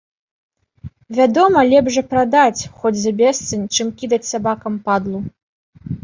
Вядома, лепш жа прадаць, хоць за бесцань, чым кідаць сабакам падлу.